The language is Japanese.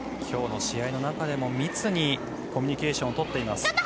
今日の試合の中でも密にコミュニケーションとっています。